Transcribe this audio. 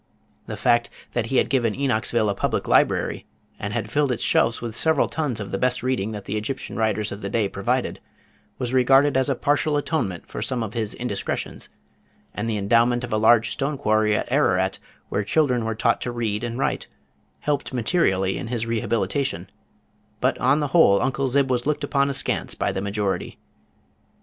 The fact that he had given Enochsville a public library, and had filled its shelves with several tons of the best reading that the Egyptian writers of the day provided, was regarded as a partial atonement for some of his indiscretions, and the endowment of a large stone quarry at Ararat where children were taught to read and write, helped materially in his rehabilitation, but on the whole Uncle Zib was looked upon askance by the majority.